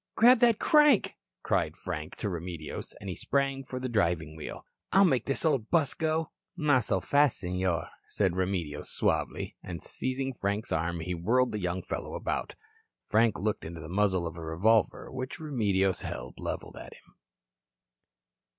"Grab that crank," cried Frank to Remedios, and he sprang for the driving wheel. "I'll make this old bus go." "Not so fast, Senor," said Remedios suavely, and seizing Frank's arm he whirled the young fellow about. Frank looked into the muzzle of a revolver which Remedios held leveled at him.